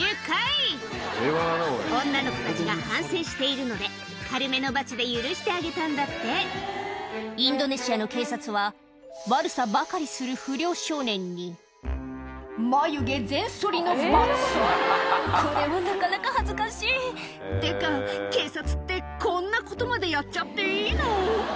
女の子たちが反省しているので軽めの罰で許してあげたんだってインドネシアの警察は悪さばかりする不良少年にこれもなかなか恥ずかしいってか警察ってこんなことまでやっちゃっていいの？